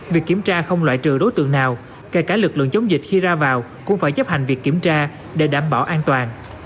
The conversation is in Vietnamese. việc kiểm tra không loại trừ đối tượng nào kể cả lực lượng chống dịch khi ra vào cũng phải chấp hành việc kiểm tra để đảm bảo an toàn